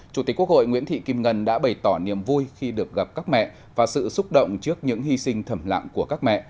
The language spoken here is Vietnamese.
chủ tịch quốc hội nguyễn thị kim ngân đã bày tỏ niềm vui khi được gặp các mẹ và sự xúc động trước những hy sinh thầm lặng của các mẹ